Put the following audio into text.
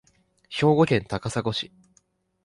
兵庫県高砂市